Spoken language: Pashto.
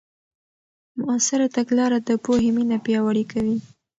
مؤثره تګلاره د پوهې مینه پیاوړې کوي.